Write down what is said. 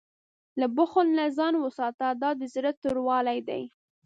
له بخل نه ځان وساته، دا د زړه توروالی دی.